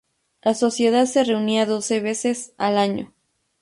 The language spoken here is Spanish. La Sociedad se reunía doce veces al año.